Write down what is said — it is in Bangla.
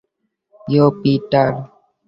ইয়ো, পিটার!